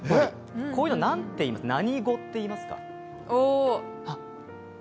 こういうのは何語っていいますか？